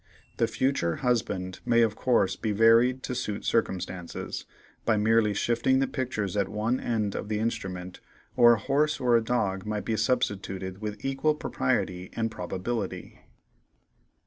The "future husband" may of course be varied to suit circumstances, by merely shifting the pictures at one end of the instrument; or a horse or a dog might be substituted with equal propriety and probability.